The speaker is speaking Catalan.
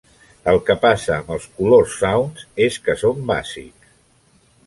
El que passa amb els Coloursounds és que són bàsics.